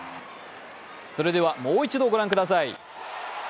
それでは、もう一度ご覧ください。